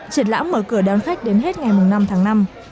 triển lãm mở cửa đón khách đến hết ngày năm tháng năm